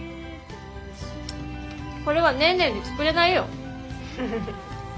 これはネーネーに作れないよ。